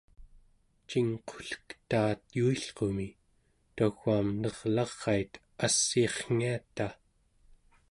cingqullektaat yuilqumi tau͡aam nerlarait assiirrngiata